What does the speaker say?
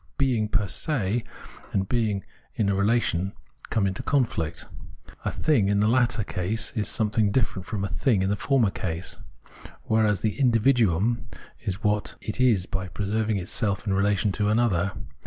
Being per se and being in a relation come into conflict; a "thing" in the latter case is something different from a " thing " in the former state ; whereas the " individuum " is what it is by preserving itself in rela tion to another.